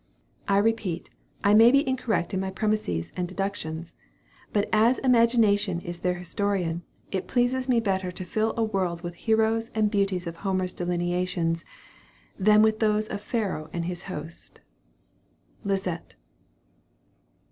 I repeat, I may be incorrect in my premises and deductions, but as imagination is their historian, it pleases me better to fill a world with heroes and beauties of Homer's delineations, than with those of "Pharaoh and his host." LISETTE.